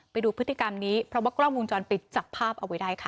ไปดูพฤติกรรมนี้เพราะว่ากล้องวงจรปิดจับภาพเอาไว้ได้ค่ะ